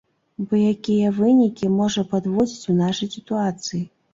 Бо якія вынікі можна падводзіць у нашай сітуацыі?